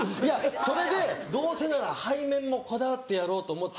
それでどうせなら背面もこだわってやろうと思って。